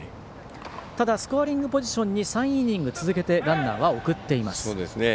ただ、スコアリングポジションに３イニング続けてランナーは送っています。